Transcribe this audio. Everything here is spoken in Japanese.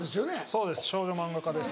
そうです少女漫画家です。